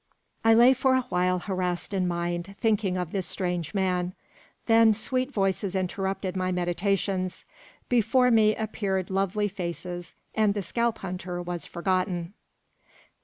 I lay for a while harassed in mind, thinking of this strange man. Then sweet voices interrupted my meditations; before me appeared lovely faces, and the Scalp hunter was forgotten.